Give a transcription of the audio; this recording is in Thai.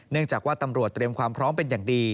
จากว่าตำรวจเตรียมความพร้อมเป็นอย่างดี